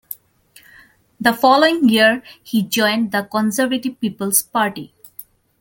The following year, he joined the Conservative People's Party.